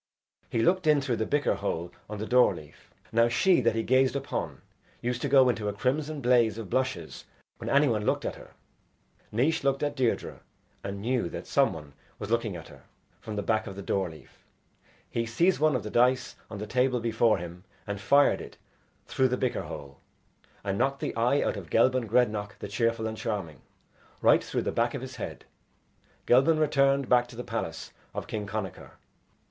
He looked in through the bicker hole on the door leaf. Now she that he gazed upon used to go into a crimson blaze of blushes when any one looked at her. Naois looked at Deirdre and knew that some one was looking at her from the back of the door leaf. He seized one of the dice on the table before him and fired it through the bicker hole, and knocked the eye out of Gelban Grednach the Cheerful and Charming, right through the back of his head. Gelban returned back to the palace of King Connachar.